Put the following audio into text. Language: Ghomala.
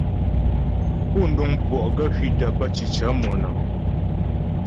Pú nuŋ puɔ' gaə́ hwitə pə́ cǐcə monəŋ.